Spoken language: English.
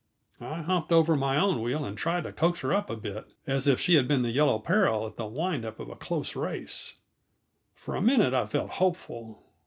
I humped over my own wheel and tried to coax her up a bit, as if she had been the Yellow Peril at the wind up of a close race. For a minute I felt hopeful.